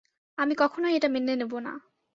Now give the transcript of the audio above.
আমি কখনোই এটা মেনে নেবো না।